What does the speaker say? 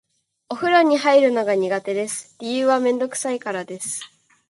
お風呂に入るのが苦手です。理由はめんどくさいからです。